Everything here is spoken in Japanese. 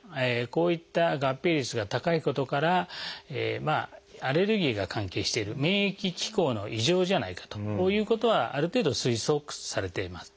こういった合併率が高いことからアレルギーが関係している免疫機構の異常じゃないかということはある程度推測されています。